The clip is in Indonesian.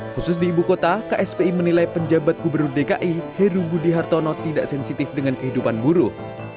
khusus di ibu kota kspi menilai penjabat gubernur dki heru budi hartono tidak sensitif dengan kehidupan buruh